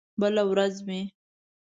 بله ورځ مې